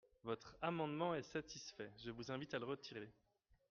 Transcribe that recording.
Votre amendement est satisfait et je vous invite à le retirer.